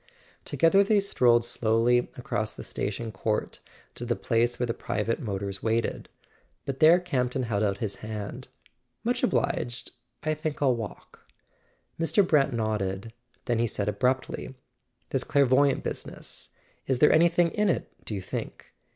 To¬ gether they strolled slowly across the station court to the place where the private motors waited; but there Campton held out his hand. "Much obliged; I think I'll walk." Mr. Brant nodded; then he said abruptly: "This clairvoyante business: is there anything in it, do you think?